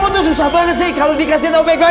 kamu tuh susah banget sih kalau dikasih tau baik baik